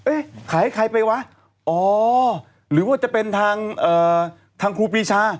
เออเอ๊ะขายให้ใครไปวะอ๋อหรือว่าจะเป็นทางเอ่อทางครูปีชา